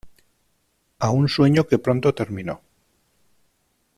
A un sueño que pronto terminó.